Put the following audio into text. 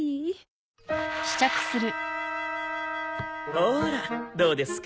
ほらどうですか？